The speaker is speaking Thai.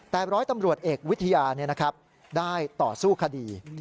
แต่ร้อยตำรวจเอกวิทยาได้ต่อสู้คดี